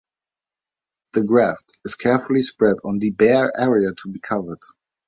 The graft is carefully spread on the bare area to be covered.